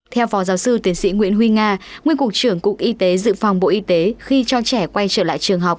theo phó giáo sư tiến sĩ nguyễn huy nga nguyên cục trưởng cục y tế dự phòng bộ y tế khi cho trẻ quay trở lại trường học